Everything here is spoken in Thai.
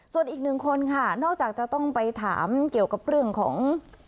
ส่วนอีกหนึ่งคนค่ะนอกจากจะต้องไปถามเกี่ยวกับเรื่องของ